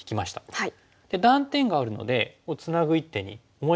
はい。